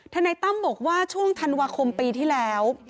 นายตั้มบอกว่าช่วงธันวาคมปีที่แล้ว